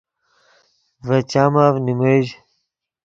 ڤے چامف نیمیژ